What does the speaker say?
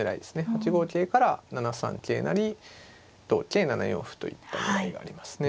８五桂から７三桂成同桂７四歩といった狙いがありますね。